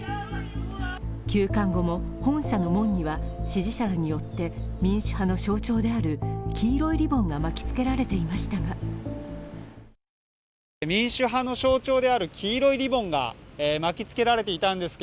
休刊後も、本社の門には支持者らによって民主派の象徴である黄色いリボンが巻きつけられていましたが民主派の象徴である黄色いリボンが巻きつけられていたんですけ